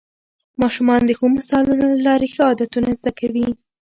ماشومان د ښو مثالونو له لارې ښه عادتونه زده کوي